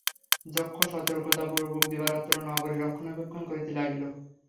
যক্ষ সতর্কতাপূর্বক দিবারাত্র নগরীর রক্ষণাবেক্ষণ করিতে লাগিল।